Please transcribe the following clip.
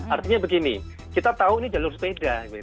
artinya begini kita tahu ini jalur sepeda